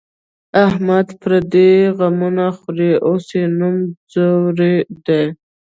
احمد پردي غمونه خوري، اوس یې نوم ځوری دی.